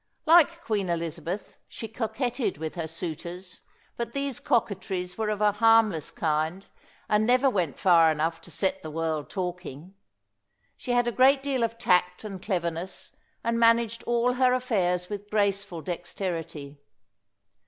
Like Queen Elizabeth, she coquetted with her suitors, but these coquetries were of a harmless kind, and never went far enough to set the world talking. She had a great deal of tact and cleverness, and managed all her affairs with graceful dexterity.